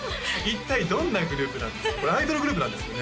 一体どんなグループなんですか？